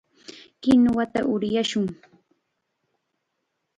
Kinuwata uryashun.